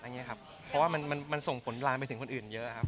เพราะว่ามันส่งผลลามไปถึงคนอื่นเยอะครับ